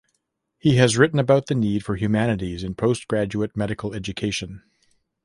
He has written about the need for humanities in postgraduate medical education.